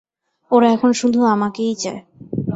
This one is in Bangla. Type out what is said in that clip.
ওরা এখন শুধু আমাকেই চায়।